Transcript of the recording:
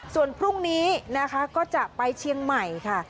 ส่วนพรุ่งนี้นะคะก็จะไปเชียงใหม่ค่ะ